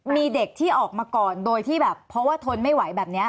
มีเด็กที่ออกมาก่อนโดยที่แบบเพราะว่าทนไม่ไหวแบบนี้